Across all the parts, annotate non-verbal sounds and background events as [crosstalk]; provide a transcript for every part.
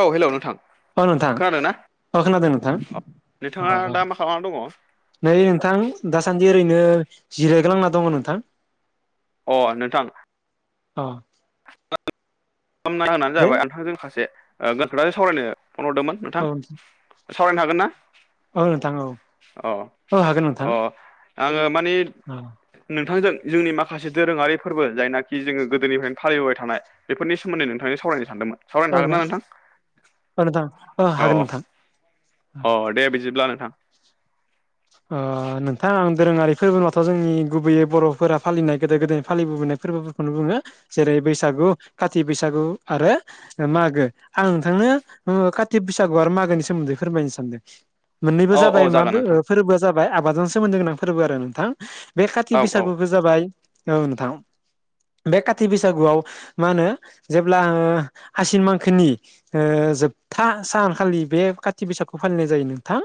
औ हेल' नोंथां। अ नोंथां खोनादों ना अ खोनादों नोंथां। नोंथाङा दा मा खालामना दङ नै नोंथां दासान्दि ओरैनो जिरायग्लांना दङ नोंथां। अ नोंथां। अ [unintelligible] दे जाबाय आं नोंथांजों माखासे ओ खोथासों सावरायनो फन हरदोंमोन। औ नोंथां सावरायनो हागोन ना? औ नोंथां औ अ औ अ आङो मानि अ नोंथांजों जोंनि माखासे दोरोङारि फोरबो जायनाखि जोङो गोदोनिफ्रायनो फालिबोबाय थानाय बेफोरनि सोमोन्दै नोंथांजों सावरायनो सानदोंमोन। सावरायनो हागोन ना नोंथां? औ नोंथां औ हागोन नोंथां अ दे बिदिब्ला नोंथां। ओ नोंथां आं दोरोङारि फोरबो नथ' जोंनि गुबैयै बर'फोरा फालिनाय गोदो गोदायनि फालिबोनाय फोरबो नो बुङो जेरै बैसागु खाथि बैसागु आरो मागो। आं नोंथांनो उम काति बैसागु आरो मागोनि सोमोन्दै फोरमायनो सानदों। मोननैबो औ औ जाबाय जागोन माब नोंथां फोरबोआ जाबाय आबादजों सोमोन्दो गोनां फोरबो आरो नोंथां बे औ खाथि औ बैसागु जाबाय औ नोंथां बे काति बैसागुआव मा होनो जेब्ला ओ आसिन मांखोनि ओ जोबथा सानखालि बे कात बसागखौ फालिनाय जायो नोंथां।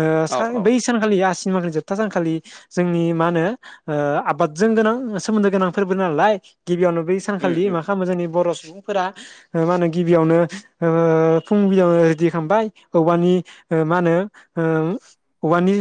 ओ औ सान औ बै सानखालि आ सिनमाखालि जोबथा सानखालि जोंनि मा होनो ओ आबादजों गोनां सोमोन्दो गोनां फोरबो नालाय गिबियावनो बै उम सानखालि उम मा खालामो जोंनि बर' सुबुं फोरा ओ मा होनो गिबियावनो ओ फुंबिलियावनो रेडि खालामबाय औवानि ओ मा होनो ओ औवानि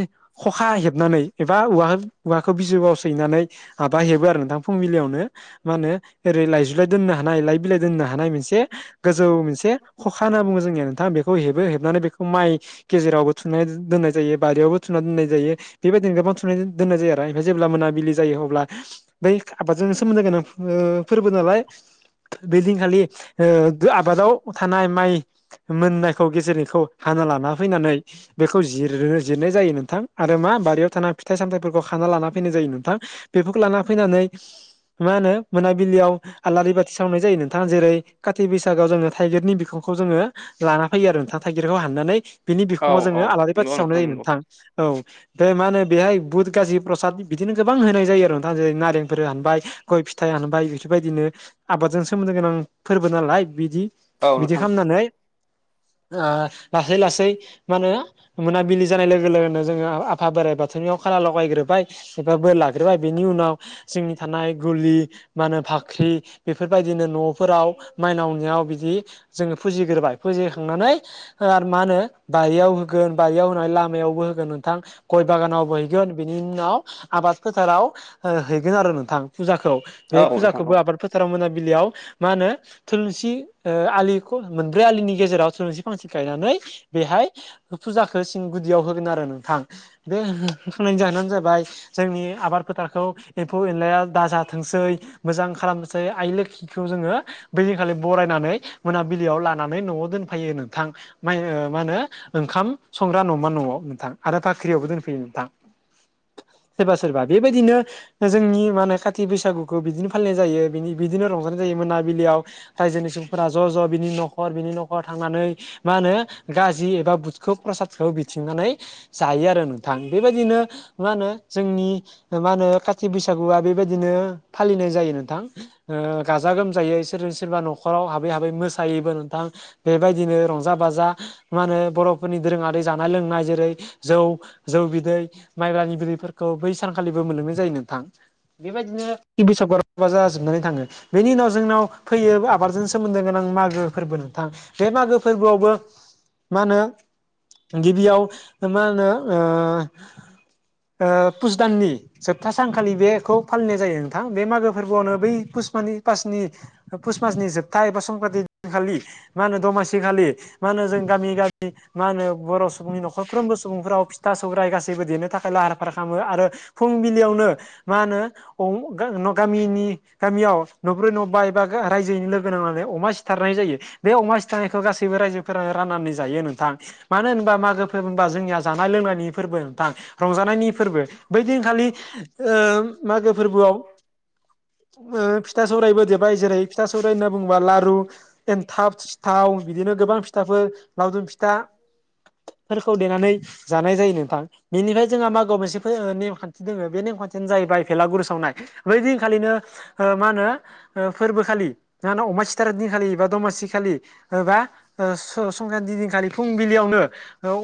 खखा हेबनानै एबा औवा औवाखौ बिजौआव सैनानै माबा हेबो आरो नोंथां फुंबिलियावनो मा होनो ओरै लाइजुलाइ दोननो हानाय लइ बिलाइ दोननो हानाय मोनसे गोजौ मोनसे खखा होनना बुङो जोंनिया नोंथां बेखौ हेबो हेबनानै बेखौ माइ गेजेरावबो थुनाय दोननाय जायो। बारियावबो थुनानै दोननाय जायो बेबायदिनो गोबां थुनानै दोननाय जायो आरो ओमफ्राय जेब्ला मोनाबिलि जायो अब्ला बै आबादजों सोमोन्दो गोनां फोरबो नालाय। बे दिनखालि ओ आबादाव थानाय माइ मोननायखौ गेजेरनिखौ हाना लाना फैनानै बेखौ जिरनो जिरनाय जायो नोंथां आरो मा बारियाव थाना फिथाइ सामथायाइफोरखौ खाना लाना फैनाय जायो नोंथां। बेफोरखौ लाना फैनानै मा होनो मोनाबिलियाव आलारि बाथि सावनाय जायो नों थां जेरै कातथि बैसागआव जोङो थाइगिरनि बिखांखौ जोङो लाना फैयो आरो नोंथाङा थाइगिरखौ हाननानै बिनि औ बिखङाव औ जोङो आलारि बाथि नंगौ सावनो जायो नंगौ नोंथां। औ बे मा होनो बेहाय बुध गाजि प्रसाद बिदिनो गोबां होनाय जायो आरो नोंथां जेरै नारेंफोर हानबाय गय फिथाइ हानबाय बेफोरबायदिनो आबादजों सोमोन्दो गोनां फोरबो नालाय बिदि औ बिदि नोंथां खालामनानै ओ लासै लासै मा होनो मोनाबिलि जानाय लोगो लोगोनो जोङो आआफा बोराइ बाथौनियाव खारला लगायग्रोबाय एबा बोर लाग्रोबाय बिनि उनाव जोंनि थानाय गुलि मा होनो फाख्रि बेफोरबायदिनो न' फोराव माइनावनियाव बिदि जोङो फुजिग्रोबाय फुजिखांनानै मा होनो बारियाव होगोन बारियाव होनानै लाम मायावबो होगोन नोंथां। गय बागानावबो हैगोन बिनि उनाव आबाद फोथाराव ओ हैगोन आरो नोंथां फुजाखौ। औ बे नोंथां औ फुजाखौबो आबाद फोथाराव मोनाबिलियाव मा होनो थुलुंसि ओ आलिखौ मोनब्रै आलिनि गेजेराव थुलुंसि फांसे गायनानै बेहाय फुजाखौ सिं गुदियाव होगोन आरो नोंथां बे हो-होखांनायनि जाहोनानो जाबाय जोंनि आबाद फोथारखौ एम्फौ एनलाया दाजाथोंसै मोजां खालामनोसै आइ लोखिखौ जोङो बैदिखालि बरायनानै मोनाबिलियाव लानानै न'आव दोनफायो नोंथां। माइ ओ मा होनो ओंखाम संग्रा न न'आव नोंथां आरो बाख्रियावबो दोनफैयो नोंथां सोरबा सोरबा बेबायदिनो जोंनि माने काथि बैसागुखौ बिदिनो फालिनाय जायो बिनि बिदिनो रंजानाय जायो मोनाबिलियाव रायजोनि सुबुंफोरा ज' ज' बिनि न'खर बिनि न'खर थांनानै मा होनो गाजि एबा बुथखौ प्रसादखौ बिथिंनानै जायो आरो नोंथां बेबायदिनो मा होनो जोंनि मा होनो काथि बैसागुआ बेबायदिनो फालिनाय जायो नोंथां। गाजा गोमजायै इसोरजों सोरबा नखराव हाबै हाबै मोसायोबो नोंथां। बेबायदिनो रंजा बाजा मा होनो बर'फोरनि दोरोङारि जानाय लोंनाय जेरै जौ जौ बिदै माइब्रानि बिदैफोरखौ बै सानखालिबो मोनलोंनाय जायो नोंथां बेबायदिनो [unintelligible] जाजोबनानै थाङो। बेनि उनाव जोंनाव फैयो आबादजों सोमोन्दो गोनां मागो फोरबो नोंथां। बे मागो फोरबोआवबो मा होनो गिबियाव मा होनो ओ ओ पुस दाननि जोबथा सानखालि बेखौ फालिनाय जायो नोंथां बे मागो फोरबोआवनो बै पुसमानि पासनि पुस मासनि जोबथा एबा संक्रान्ति दिनखालि मा होनो दमासि खालि मा होनो जों गामि गामि मा होनो बर' सुबुंनि न'खरफ्रोमबो सुबुंफोराव फिथा सौराय गासैबो देनो थाखाय लाहार फाहार खालामो आरो फुंबिलियावनो मा होनो अं गा न गामिनि गामियाव न'ब्रै न' बा एबा रायजोै लोगो नांनानै अमा सिथारनाय जायो। बे अमा सिथारनायखौ गासैबो रायजोफोरानो राननानै जायो नोंथां। मानो होनबा मागो फोरबो होनबा जोंनिया जानाय लोंनायनि फोरबो नोंथां रंजानायनि फोरबो बैदिनखालि ओ मागो फोरबोआव फिथा सौरायबो देबाय जेरै फिथा सौराय होनना बुङोबा लारु एनथाब थाव बिदिनो गोबां फिथाफोर लावदुम फिथा फोरखौ देनानै जानाय जायो नोंथां बेनिफ्राय जोंहा मागोआव मोनसे ओ नेमखान्थि दोङो बे नेमखान्थियानो जाहैबाय भेलागुर सावनाय बै दिनखालिनो ओ मा होनो ओ फोरबो खालि ओ अमा सिथार दिन खालि बा दमासि खालि बा ओ संख्रान दिनखालि फुं फुंबिलियावनो औ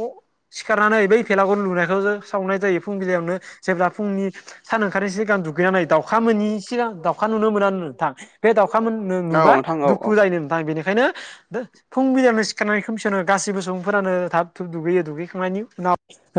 सिखारनानै बै भेलागुर लुनायखौ जों सावनाय जायो फुंबिलियावनो जेब्ला फुंनि सान ओंखारै सिगां दुगैनानै दाव [unintelligible] मोनि सिगां दाउखा नुनो मोना नोंथां बे दाउखा मोन औ नुबा नोंथां औ दुखु जायो नोंथां बेनिखा खायनो फुंबिलियावनो सिखारनानै खोमसियावनो गासिबो सुबुंफोरानो थाब थुब दुगैयो दुगैखांनायनि उनाव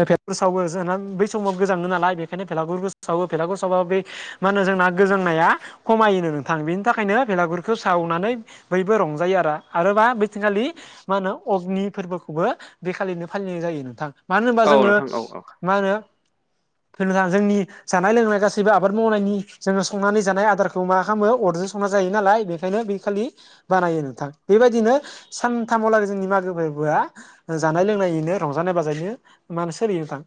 भेलागुर सावो जोंहा बै समाव गोजाङो नालाय बेखायनो भेलागुर सावो बेेलागुर सावाबो बै मा होनो जोंना गोजांनाया खमायोनो नोंथां बेनि थाखायनो बेलागुरखौ सावनानै बैबो रंजायो आरो आरोबा बेदिनखालि मा होनो अग्नि फोरबोखौबो बेखालिनो फालिनाय जायो नोंथां मानो होनबा औ जोङो नोंथां औ मा होनो जोंनि जानाय लोंनाय गासैबो आबाद मावनायनि जोङो संनानै जानाय आदार मा खालामो अरजों संना जायो नालाय बेखायनो बे खालि बानायो नोंथां बेबायदिनो सानथामावलागै जोंनि मागो बोआ जानाय लोंनायनिनो रंजानाय बाजायनो मानो सोलियो नोंथां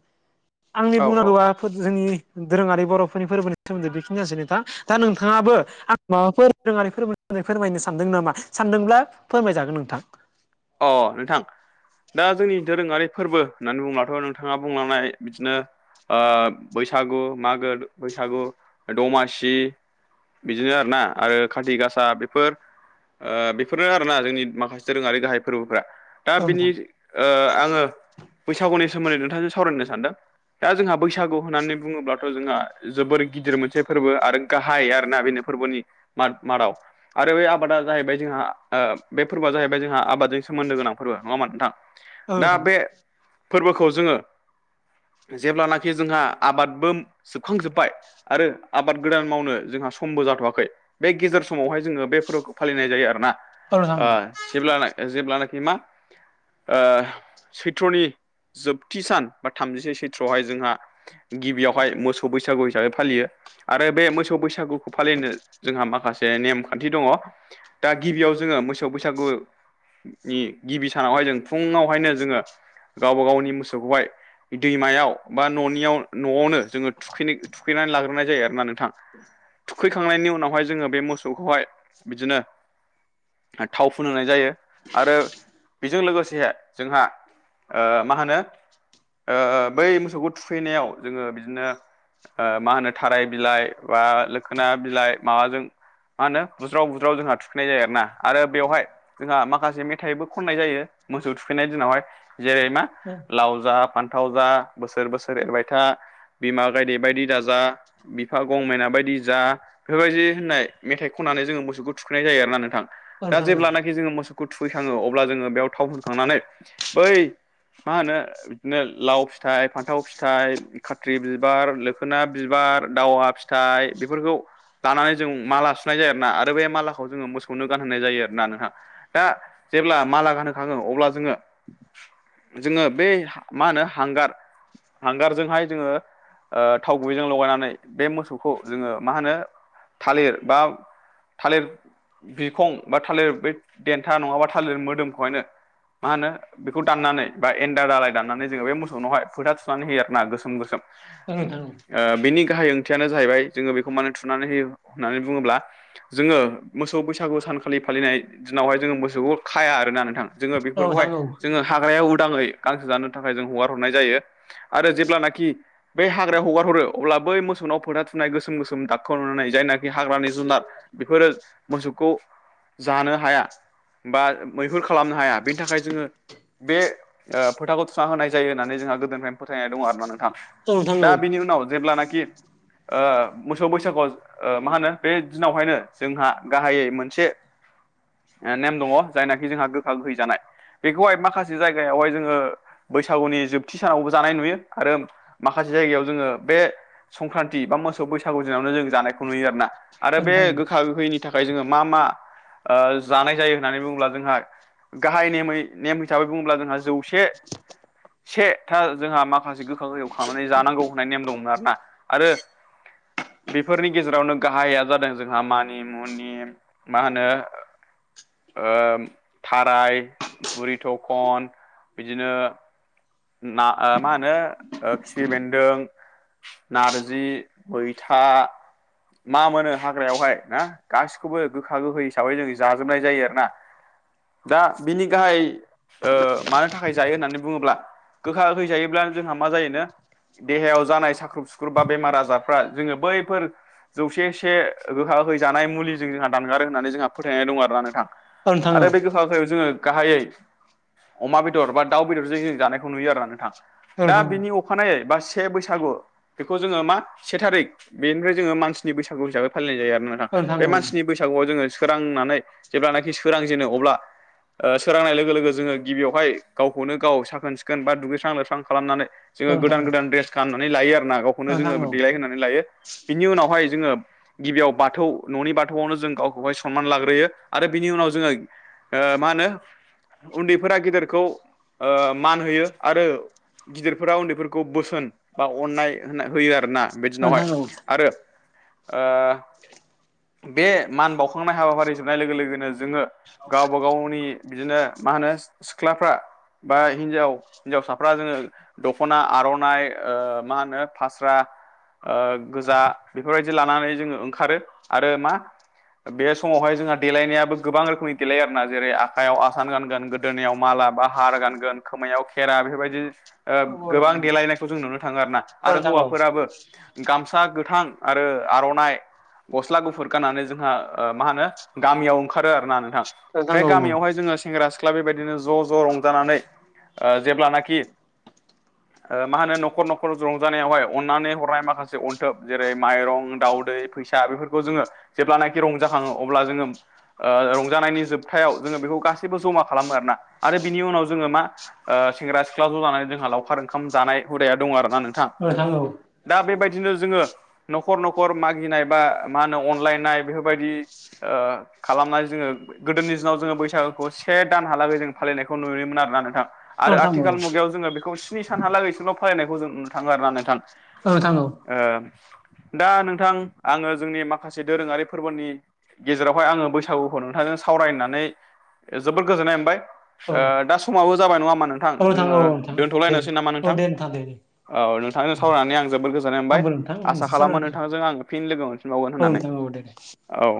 आंनि औ औ बुंनांगौआ जोंनि दोरोङारि बर'फोरनि फोरबोनि सोमोन्दै बेखिनियानोसै नोंथां दा नोंथाङाबो आं माबाफोर रोङारि फोरनानै फोरमायनो सानदों नामा सानदोंब्ला फोरमायजागोन नोंथां अ नोंथां दा जोंनि दोरोङारि फोरबो होननानै बुंब्लाथ' नोंथाङा बुंलांनाय बिदिनो ओ बैसागु मागो बैसागु दमासि बिदिनो आरो ना आरो खाार्ति गासा बेफोर ओ बेफोरनो आरोना जोंनि माखासे दोऔरोङारि गाहाय फोरबोफ्रा दा औ बिनि नोंथां ओ आङो बैसागुनि सोमोन्दै नोंथांजों सावरायनो सानदों दा जोंहा बैसागु होननानै बुङोब्लाथ' जोंहा जोबोर गिदिर मोनसे फोरबो आरो गाहाय आरोना बेनो फोरबोनि मा मादाव आरो बे आबादा जाहैबाय जोंहा बे फोरबोआ जाहैबाय जोंहा आबादजों सोमोन्दो गोनां फोरबो नङा मा नोंथां औ दा बे नोंथां फोरबोखौ जोङो जेब्लानाखि जोंहा आबादबो जोबखांजोब्बाय आरो आबाद गोदान मावनो जोंहा समबो जाथ'वाखै बे गेजेर समावहाय जोङो बे फोरबोखौ फालिनाय जायो आरो ना औ नोंथां ओ औ जेब्ला जेब्लानोखि मा ओ सैथ्रनि जोबथि सान बा थामजिसे सैथ्रआवहाय जोंहा गिबियावहाय मोसौ बैसागु हिसाबै फालियो आरो बे मोसौ बैसागुखौ फालिनो जोंहा माखासे नेमखान्थि दङ दा गिबियाव जोङो मोसौ बैसागु नि गिबि सानावहाय जों फुङावहायनो जोङो गावबा गावनि मोसौखौहाय दैमायाव बा न'नियाव न'आवनो जोङो थुखै थुखैनानै लाग्रोनाय जायो आरो ना नों थां थु थुखैखांनायनि उनावहाय जोङो बे मोसौखौहाय बिदिनो थाव फुनहोनाय जायो आरो बेजों लोगोसे जोंहा ओ मा होनो ओ बै मोसौखौ थुखैनायाव जोङो बिदिनो ओ मा होनो थाराय बिलाइ बा लोखोना बिलाइ माबाजों मा होनो बुज्राव-बुज्राव जोंहा थुखैनाय जायो आरोना आरो बेवहाय जोंहा मा माखासे मेथाइबो खननाय जायो मोसौ थुखैनाय दिनावहाय जेरै मा लाव जा फान्थाव जा बोसोर बोसोर एरबाय था बिमा गायदे बायदि दाजा बिफा गंमेना बायदि जा बेफोरबायदि होननाय मेथाइ खननानै जोङो मोसौखौ थुखैनाय जायो आरोना नोंथां औ दा नोंथां औ जेब्लानाखि जोङो मोसौखौ थुखैखाङो अब्ला जोङो बेयाव थाव फोनखांनानै बै मा होनो बिदिनो लाव फिथाइ, फान्थाव फिथाइ खाथ्रि बिबार लोखोना बिबार दावा फिथाइ बेफोरखौ दानानै जों माला सुनाय जायो आरोना आरो बे मालाखौ जोङो मोसौनो गानहोनाय जायो आरोना नोंथां दा जेब्ला माला गानोखाङो अब्ला जोङो जोङो बे मा होनो हांगार हांगारजोंहाय जोङो ओ थाव गुबैजों लगायनानै बे मोसौखौ जोङो मा होनो थालिर बा थालिर बिखं बा थालिर बे देन्था नङाबा थालिर मोदोमखौहायनो मा होनो बेखौ दाननानै बा एन्दा दालाय दाननानै जोङो बे मोसौनावहाय फोथा थुनानै होयो आरो ना गोसोम-गोसोम औ नोंथां औ [inaudible] ओ बिनि गाहाय ओंथियानो जाहैबाय जोङो बेखौ माने थुनानै होयो होननानै बुङोब्ला जोङो मोसौ बैसागु सानखालि फालिनाय दिनावहाय जोङो मोसौखौ खाया आरोना नोंथां जोङो औ नोंथां बेफोरखौहाय औ जोङो हाग्राया उदाङै गांसो जानो थाखाय जों हगार हरनाय जायो आरो जेब्लानाखि बेै हाग्रायाव हगार हरो अब्ला बै मोसौनाव फोथा थुनाय गोसोम गोसोम दागखौ नुनानैनाय जायनाखि हाग्रानि जुनार बेफोरो मोसौखौ जानो हाया बा मैहुर खालामनो हाया बेनि थाखाय जोङो बे ओ फोथाखौ थुना होनाय जायो होननानै जोंहा गोदोनिफ्रायनो फोथायनाय दं आरो ना नों औ नोंथां औ दा बिनि उनाव जेब्लानाखि ओ मोसौ बैसागुआव मा होनो बे दिनावहायनो जोंहा गाहायै मोनसे नेम दङ जायनाखि जोंहा गोखा गोहै जानाय बेखौहाय माखासे जायगायावहाय जोङो बैसागुनि जोबथि सानावबो जानाय नुयो आरो माखासे जायगायाव जोङो बे संक्रान्ति बा मोसौ बैसागु दिनावनो जों जानायखौ नुयो आरोना आरो औ बे नोंथां औ गोखा गोखैनि थाखाय जोङो मा मा ओ जानाय जायो होननानै बुङोब्ला जोंहा गाहाय नेमै नेम हिसाबै बुङोब्ला जोंहा जौसे से था जोंहा माखासे गोखा गोखैखौ खांनानै जानांगौ होननाय नेम दंमोन आरोना आरो बेफोरनि गेजेरावनो गाहाया जादों जोंहा मानि मुनि मा होनो ओ ओ थाराय बुरि थखन बिदिनो ना ओ मा होनो ओ खिफि बेन्दों नारजि मैथा मा मोनो हाग्रायावहाय ना गासिखौबो गोखा गोखै हिसाबै जों जाजोबनाय जायो आरो ना दा बिनि गाहाय ओ मानि थाखाय जायो होननानै बुङोब्ला गोखा गोखै जायोब्लानो जोंहा मा जायोनो देहायाव जानाय साख्रुब सुख्रुब बा बेमार आजारफ्रा जोङो बैफोर जौसे से गोखा गोखै जानाय मुलिजों जोंहा दानगारो होननानै जोंहा फोथायनाय दं आरोना नोंथां औ नोंथां औ नोंथां औ नोंथां औ आरो बे गोखा गोखैखो जोङो गाहायै अमा बेदर बा दाउ बेदरजों जों जानाय खौ नुयो आरोना नोंथां दा बिनि अखानायै बा से बैसागु बेखौ जोङो मा से थारिख बेनिफ्राय जोङो मानसिनि बैसागु हिसाबै फालिनाय जायो आरोना औ नोंथां औ नोंथां औ नोंथां औ नोंथां औ नोंथां औ नोंथां औ नोंथां औ नोंथां औ नोंथां औ बे मानसिनि नोंथां बैसागुआव जोङो सोरांनानै जेब्लानाखि सोरांजेनो अब्ला ओ सोरांनाय लोगो लोगो जोङो गिबियावहाय गावखौनो गाव साखोन सि खोन बा दुगैस्रां लोबस्रां खालामनानै जोङो गोदान गोदान ड्रेस गाननानै लायो आरोना गाव खौनो जोङो देलाय होनानै लायो बिनि उनावहाय जोङो गिबियाव बाथौ ननि बाथौआवनो जों गावखौहाय सनमान लाग्रोयो आरो बिनि उनाव जोङो ओ मा होनो उन्दैफोरा गेदेरखौ ओ मान होयो आरो गिदिरफोरा उन्दैफोरखौ बोसोन बा अननाय होनाय होयो आरो ना बे दिनावहाय आरो ओ बे मान बाउखांनाय हाबाफारि जोबनाय लोगो लोगोनो जोङो गावबा गावनि बिदिनो मा होनो सिख्लाफ्रा बा हिनजाव हिन्जावसाफ्रा जोङो दख'ना आर'नाइ ओ मा होनो फास्रा ओ गोजा बेफोरबायदि लानानै जोङो ओंखारो आरो मा बे समावहाय जोंहा देलायनायाबो गोबां रोखोमनि देलायो आरोना जेरै आखायाव आसान गानगोन गोद दोनायाव माला बा हार गानगोन खोमायाव खेरा बेफोरबायदि ओ गोबां देलायनायखौ जों नुनो थाङो आरो ना आरो हौवाफोराबो गामसा गोथां आरो आर'नाइ गस्ला गुफुर गाननानै जोंहा ओ मा होनो गामियाव ओंखारो आरो ना नोंथां बे गामियावहाय जोङो सेंग्रा सि ख्ला बेबायदिनो ज' ज' रंजानानै ओ जेब्लानाखि मा होनो न'खर न'खर रंजानायावहाय अननानै हरनाय माखासे अनथोब जेरै माइरं दाउदै फैसा बेफोरखौ जोङो जेब्लानाखि रंजाखाङो अब्ला जोङो ओ रंजानायनि जोबथायाव जोङो बेखौ गासैबो जमा खालामो आरोना आरो बिनि उनाव जोङो मा ओ सेंग्रा सिख्ला ज' जानानै जोंहा लावखार ओंखाम जानाय हुदाया दं आरोना नों ओ थांगौ दा बेबायदिनो जोङो नखर नखर मागिनाय बा मा होनो अनलायनाय बेफोरबायदि ओ खालामनानै जोङो गोदोनि दिनाव जोङो बैसागुखौ से दानहालागै जों फालिनायखौ नुयोमोन आरोना नोंथां आरो आथिखाल मुगायाव जोङो बेखौ स्नि सानहालागैसोल' फरायनायखौ जों नुनो थाङो आर ना नोंथां औ थांगौ दा नोंथां आङो जोंनि माखासे दोरोङारि फोरबोनि गेजेरावहाय आङो बैसागुखौ नोंथांजों सावरायनानै जोबोद गोजोननाय मोनबाय दा समाबो जाबाय नङा होनबा नोंथां जोङो औ औ दे दोनथ'लायनोसै नामा औ नोंथां दे दे दे औ नोंथांजों सावरायनानै आं जोबोद गोजोननाय मोनबाय आंबो नोंथां आसा खालामो सावरायनो नोंथांजों आं फिन लोगो मोन औ नोंथां औ दे औ